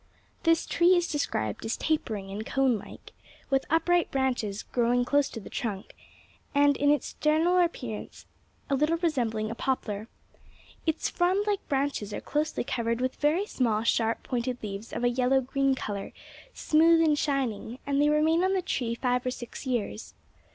This tree is described as tapering and cone like, with upright branches growing close to the trunk, and in its general appearance a little resembling a poplar. Its frond like branches are closely covered with very small sharp pointed leaves of a yellow green color, smooth and shining, and they remain on the tree five or six years.